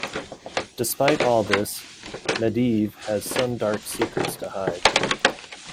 Despite all this, Medivh has some dark secrets to hide.